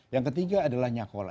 yang ketiga adalah nyakola